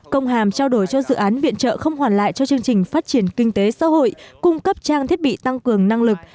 công hàm trao đổi cho dự án viện trợ không hoàn lại cho chương trình phát triển kinh tế xã hội cung cấp trang thiết bị tăng cường năng lực